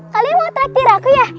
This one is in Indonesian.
kalian mau takdir aku ya